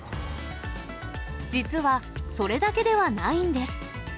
実は、それだけではないんです。